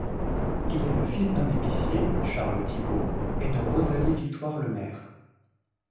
Il est le fils d'un épicier Charles Thibault et de Rosalie Victoire Lemaire.